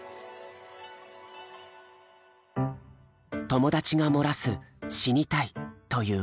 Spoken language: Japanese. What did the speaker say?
友達が漏らす「死にたい」という言葉。